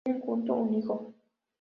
Tienen juntos un hijo.